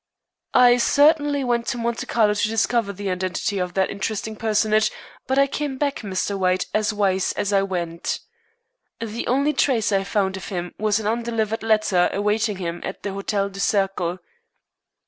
"I certainly went to Monte Carlo to discover the identity of that interesting personage, but I came back, Mr. White, as wise as I went. The only trace I found of him was an undelivered letter awaiting him at the Hotel du Cercle."